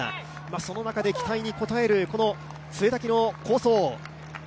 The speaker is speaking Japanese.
その中で期待に応える潰滝の好走。